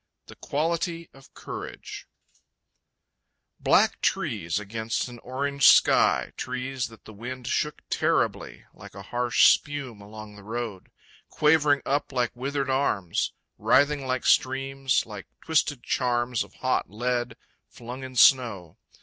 The Quality of Courage Black trees against an orange sky, Trees that the wind shook terribly, Like a harsh spume along the road, Quavering up like withered arms, Writhing like streams, like twisted charms Of hot lead flung in snow.